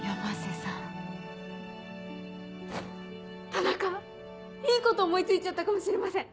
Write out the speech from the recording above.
田中いいこと思い付いちゃったかもしれません。